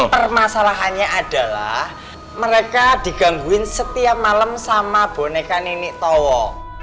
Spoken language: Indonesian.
permasalahannya adalah mereka digangguin setiap malam sama boneka ninik towo